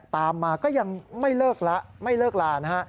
ตามมาก็ยังไม่เลิกละไม่เลิกลานะฮะ